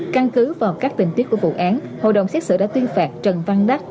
căn cứ vào các tình tiết của vụ án hội đồng xét xử đã tuyên phạt trần văn đắc